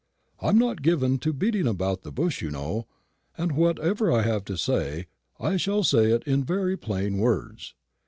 I am not given to beating about the bush, you know, and whatever I have to say I shall say in very plain words.